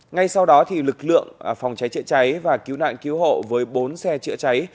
ngay sau đó lực lượng phòng cháy chữa cháy và cứu nạn cứu hộ với bốn xe chữa cháy